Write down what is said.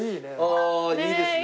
ああいいですね